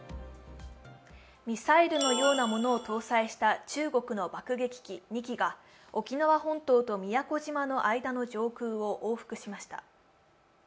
ミサイルのようなものを搭載した中国の爆撃機２機が沖縄本島と宮古島の間の上空を往復しました。